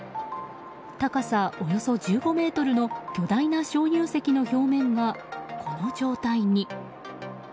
高さおよそ１５ｍの巨大な鍾乳石の表面がこの状態に。